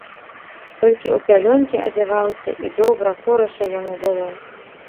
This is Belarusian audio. Толькі ў пялёнкі адзяваўся, і добра, хораша яму было.